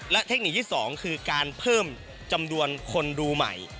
และเทคนิคที่๒คือการเพิ่มจำนวนคนดูใหม่